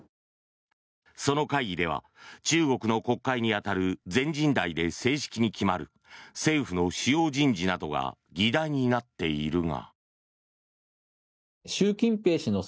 その会議では中国の国会に当たる全人代で正式に決まる政府の主要人事などが議題になっているが。